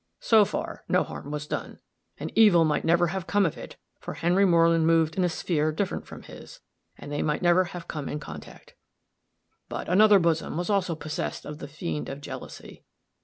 So far, no harm was done, and evil might never have come of it, for Henry Moreland moved in a sphere different from his, and they might never have come in contact. But another bosom was also possessed of the fiend of jealousy.